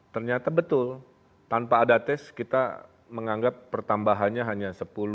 ternyata betul tanpa ada tes kita menganggap pertambahannya hanya sepuluh